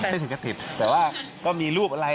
ถึงกระติกแต่ว่าก็มีรูปอะไร